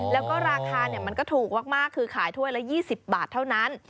แล้วก็ราคามันก็ถูกมากคือขายถ้วยละ๒๐บาทเท่านั้น